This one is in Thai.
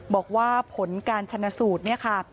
บอกว่าผลการชนะสูตรเนี่ยค่ะ